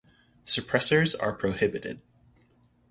Suppressors are prohibited.